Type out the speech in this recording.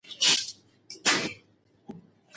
ادبي پروګرامونه باید په ډېر ښه بڼه ترسره شي.